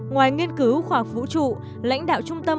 ngoài nghiên cứu khoa học vũ trụ lãnh đạo trung tâm